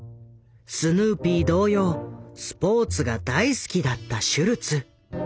スヌーピー同様スポーツが大好きだったシュルツ。